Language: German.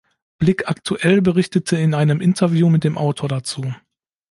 Blick aktuell berichtete in einem Interview mit dem Autor dazu.